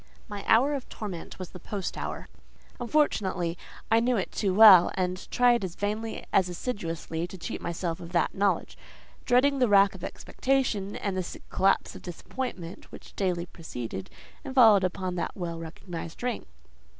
My hour of torment was the post hour. Unfortunately, I knew it too well, and tried as vainly as assiduously to cheat myself of that knowledge; dreading the rack of expectation, and the sick collapse of disappointment which daily preceded and followed upon that well recognised ring.